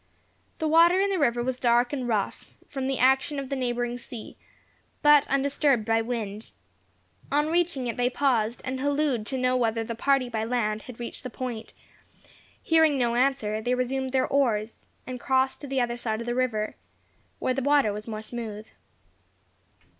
The water in the river was dark and rough, from the action of the neighbouring sea, but undisturbed by wind. On reaching it they paused, and hallooed to know whether the party by land had reached the point; hearing no answer, they resumed their oars, and crossed to the other side of the river, where the water was more smooth.